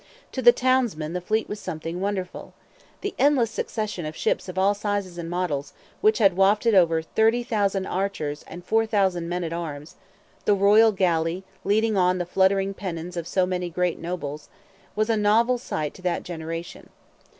To the townsmen the fleet was something wonderful. The endless succession of ships of all sizes and models, which had wafted over 30,000 archers and 4,000 men at arms; the royal galley leading on the fluttering pennons of so many great nobles, was a novel sight to that generation.